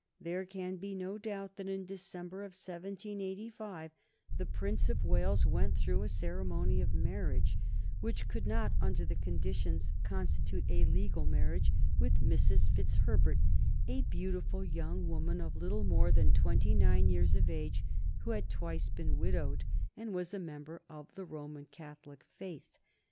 There can be no doubt that in the December of 1785 the Prince of Wales went through a ceremony of marriage, which could not under the conditions constitute a legal marriage, with Mrs. Fitzherbert, a beautiful young woman of a little more than twenty nine years of age, who had twice been widowed and was a member of the Roman Catholic faith.